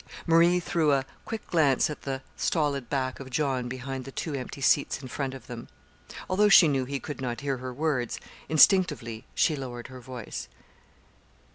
Marie threw a quick glance at the stolid back of John beyond the two empty seats in front of them. Although she knew he could not hear her words, instinctively she lowered her voice.